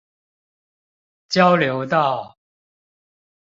交流道